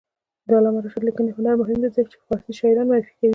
د علامه رشاد لیکنی هنر مهم دی ځکه چې فارسي شاعران معرفي کوي.